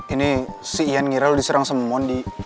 ini si ian ngira lu diserang sama mondi